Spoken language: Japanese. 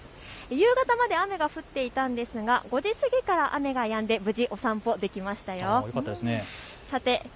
夕方まで雨が降っていたんですが、５時過ぎから雨がやんで無事お散歩できました。